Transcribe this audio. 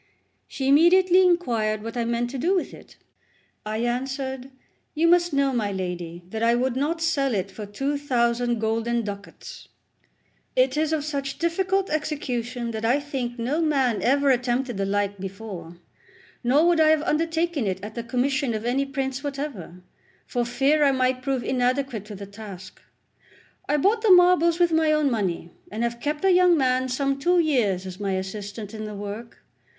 She immediately inquired what I meant to do with it. I answered: "You must know my lady, that I would not sell it for two thousand golden ducats; it is of such difficult execution that I think no man ever attempted the like before; nor would I have undertaken it at the commission of any prince whatever, for fear I might prove inadequate to the task. I bought the marbles with my own money, and have kept a young man some two years as my assistant in the work.